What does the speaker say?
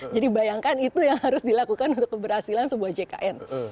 jadi bayangkan itu yang harus dilakukan untuk keberhasilan sebuah jkn